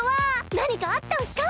何かあったんスか？